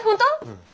うん。